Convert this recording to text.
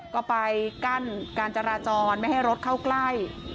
ก็ไปกั้นการจราจรไม่ให้รถเข้าใกล้